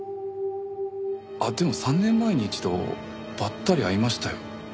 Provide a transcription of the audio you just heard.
あっでも３年前に一度ばったり会いましたよ。